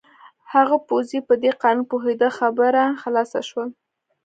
هغه پوځي په دې قانون پوهېده، خبره خلاصه شول.